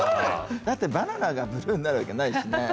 だってバナナがブルーになるわけないしねえ。